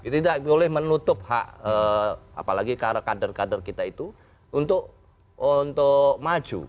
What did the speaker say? tidak boleh menutup hak apalagi kader kader kita itu untuk maju